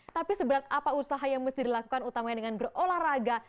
tapi seberat apa usaha yang mesti dilakukan utamanya dengan berolahraga